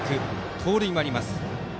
盗塁もあります。